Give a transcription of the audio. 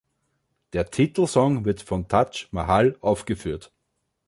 Der Titelsong wird von Taj Mahal aufgeführt.